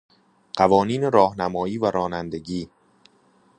قوانین راهنمایی و رانندگی